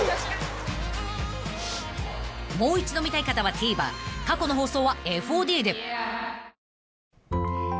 ［もう一度見たい方はＴＶｅｒ過去の放送はＦＯＤで］